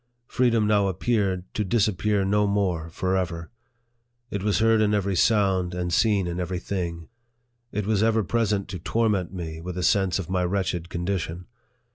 Freedom now appeared, to disappear no more forever. It was heard in every sound, and seen in every thing. It was ever present to torment me with a sense of my wretched condition.